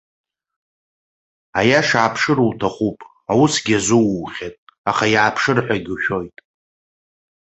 Аиаша ааԥшыр уҭахуп, аусгьы азуухьеит, аха иааԥшырҳәагьы ушәоит.